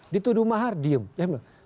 dituduh mahar diem